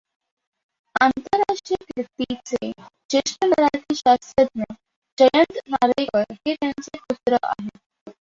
आंतरराष्ट्रीय कीर्तीचे ज्येष्ठ मराठी शास्त्रज्ञ जयंत नारळीकर हे त्यांचे पुत्र आहेत.